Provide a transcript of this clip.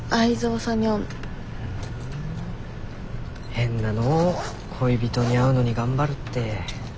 変なの恋人に会うのに頑張るって。